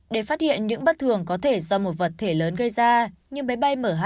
để phát hiện những bất thường có thể do một vật thể lớn gây ra như máy bay mh ba trăm bảy mươi